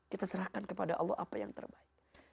kita serahkan kepada allah apa yang terbaik